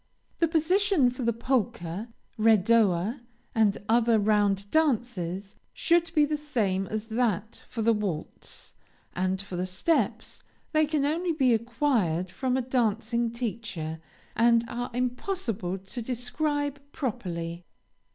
The position for the polka, redowa, and other round dances, should be the same as that for the waltz, and for the steps, they can only be acquired from a dancing teacher, and are impossible to describe properly.